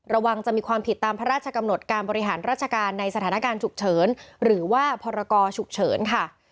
ระวังจะมีความผิดตามพระราชกำหนดการบริหารราชการในสถานการณ์ฉุกเฉินหรือว่าพรกรฉุกเฉินค่ะ